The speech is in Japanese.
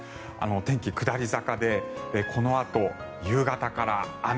天気、下り坂でこのあと夕方から雨。